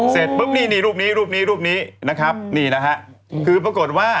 เสร็จปุ๊บนี่นี่รูปนี้รูปนี้รูปนี้นะครับนี่นะฮะคือปรากฏว่า